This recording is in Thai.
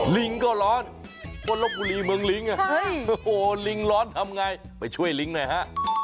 ลิงก็ร้อนบนลบบุรีเมืองลิงลิงร้อนทำไงไปช่วยลิงหน่อยฮะ